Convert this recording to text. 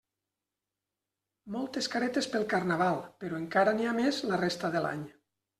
Moltes caretes pel Carnaval, però encara n'hi ha més la resta de l'any.